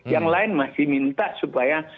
yang lain masih minta supaya